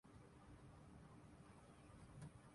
France نے اقدام متحدہ میں قرارداد جمع کرا دی ہے۔